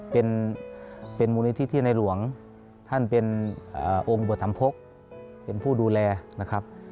เป็นมูลนิธิที่ในหลวงท่านเป็นองค์อุปถัมภกเป็นผู้ดูแลนะครับ